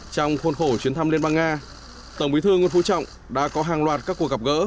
trong khuôn khổ chuyến thăm liên bang nga tổng bí thư nguyễn phú trọng đã có hàng loạt các cuộc gặp gỡ